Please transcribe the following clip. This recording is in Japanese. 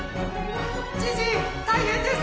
知事大変です！